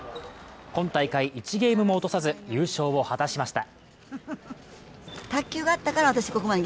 今大会１ゲームも落とさず優勝を果たしました。